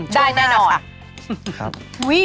ช่วงหน้าค่ะโชคแน่นอนค่ะช่วงหน้าค่ะ